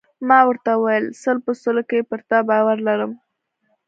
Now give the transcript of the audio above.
ما ورته وویل: سل په سلو کې پر تا باور لرم.